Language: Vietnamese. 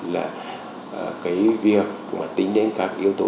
cái việc tính đến các yếu tố